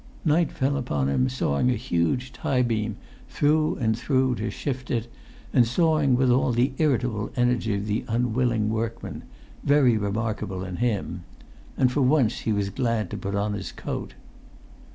Night fell upon him sawing a huge tie beam through and through to shift it, and sawing with all the irritable energy of the unwilling workman, very remarkable in him. And for once he was glad to put on his coat.